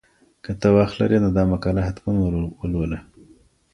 که ته وخت لرې نو دا مقاله حتماً ولوله.